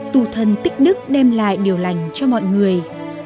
tù thần tích đức đem lại điều lành cho mọi người